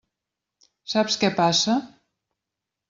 Saps què passa?